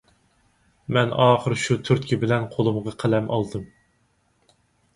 مەن ئاخىر شۇ تۈرتكە بىلەن قولۇمغا قەلەم ئالدىم.